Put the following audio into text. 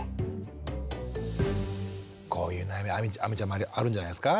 こういう悩み亜美ちゃんもあるんじゃないですか